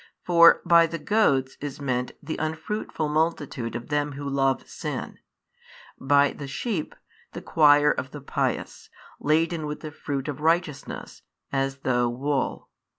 For by the goats is meant the unfruitful multitude of them who love sin, by the sheep, the choir of the pious, laden with the fruit of righteousness, as though wool.